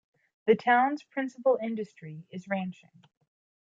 The town's principal industry is ranching.